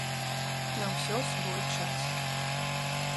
На ўсё свой час.